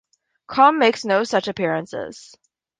Crom makes no such appearances.